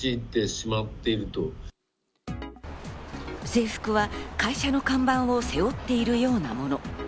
制服は会社の看板を背負っているようなもの。